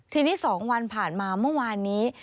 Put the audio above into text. ทีนี้๒วันผ่านมาเมื่อวานนี้